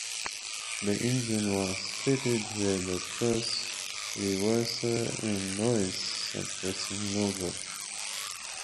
The engine was fitted with a thrust reverser and noise-suppressing nozzle.